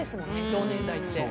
同年代って。